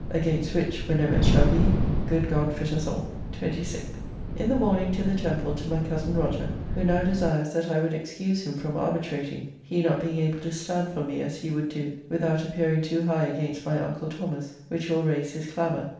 Against which, whenever it shall be, good God fit us all. 26th. In the morning to the Temple to my cozen Roger, who now desires that I would excuse him from arbitrating, he not being able to stand for me as he would do, without appearing too high against my uncle Thomas, which will raise his clamour.